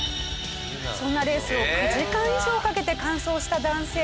そんなレースを９時間以上かけて完走した男性。